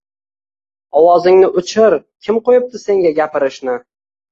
“Ovozingni o‘chir, kim qo‘yibdi senga gapirishni?!”